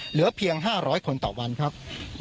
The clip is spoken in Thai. เหลือเพียง๕๐๐คนต่อวันครับ